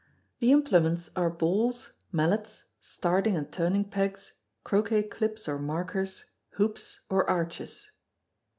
The implements are balls, mallets, starting and turning pegs, croquet clips or markers, hoops or arches.